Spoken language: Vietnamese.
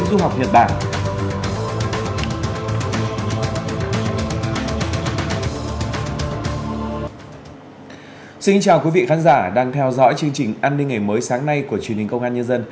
xin chào quý vị khán giả đang theo dõi chương trình an ninh ngày mới sáng nay của truyền hình công an nhân dân